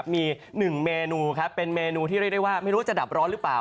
มี๑เมนูครับเป็นเมนูที่เรียกได้ว่าไม่รู้ว่าจะดับร้อนหรือเปล่า